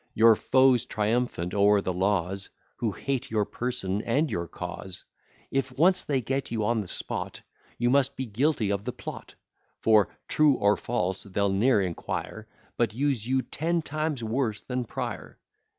Your foes triumphant o'er the laws, Who hate your person and your cause, If once they get you on the spot, You must be guilty of the plot; For, true or false, they'll ne'er inquire, But use you ten times worse than Prior.